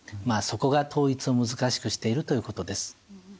まあそこが統一を難しくしているということです。